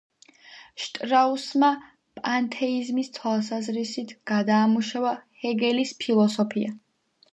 შტრაუსმა პანთეიზმის თვალსაზრისით გადაამუშავა ჰეგელის ფილოსოფია.